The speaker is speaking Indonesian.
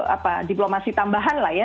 apa diplomasi tambahan lah ya